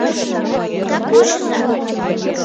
— Да кучыза.